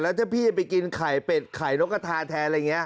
แล้วถ้าเพู้่งพี่ที่จะไปกินไข่เป็ดไข่นกกระทาแท้อะไรอย่างนี้